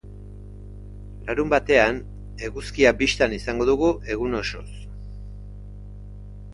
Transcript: Larunbatean eguzkia bistan izango dugu egun osoz.